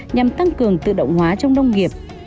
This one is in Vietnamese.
nhằm tăng cường tự động hóa trong nông nghiệp